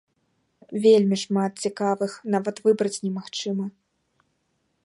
Вельмі шмат цікавых, нават выбраць немагчыма.